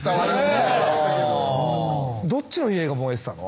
どっちの家が燃えてたの？